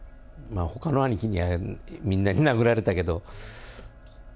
ほかの兄貴にはみんなに殴られたけど。